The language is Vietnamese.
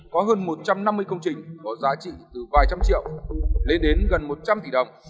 có hơn một trăm năm mươi công trình có giá trị từ vài trăm triệu lên đến gần một trăm linh tỷ đồng